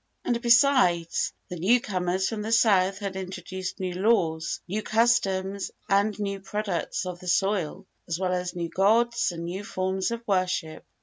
And, besides, the new comers from the south had introduced new laws, new customs and new products of the soil, as well as new gods and new forms of worship.